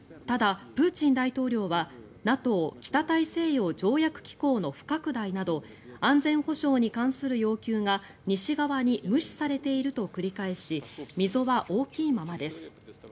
ただ、プーチン大統領はＮＡＴＯ・北大西洋条約機構の不拡大など安全保障に関する要求が西側に無視されていると繰り返し溝は大きいままです。